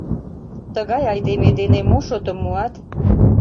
Тыгай айдеме дене мо шотым муат?